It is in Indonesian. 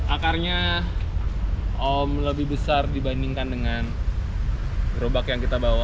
akarnya lebih besar dibandingkan dengan gerobak yang kita bawa